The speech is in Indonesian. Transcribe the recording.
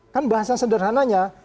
kan bahasa sederhananya